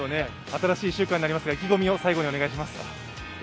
新しい１週間になりますが、意気込みを最後にお願いします。